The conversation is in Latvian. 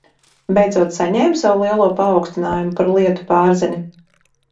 Beidzot saņēmi savu lielo paaugstinājumu par lietu pārzini?